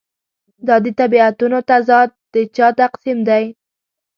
دا د طبیعتونو تضاد د چا تقسیم دی.